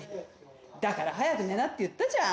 だから早く寝なって言ったじゃん！